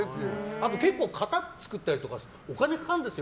あと、型を作ったりとかお金かかるんですよ